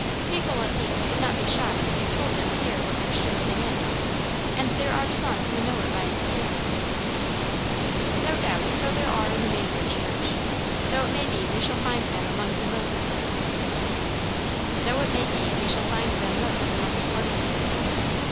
"People at least would not be shocked if you told them here what Christian living is. And there are some who know it by experience." "No doubt, so there are in the Mainbridge church, though it may be we shall find them most among the poor people."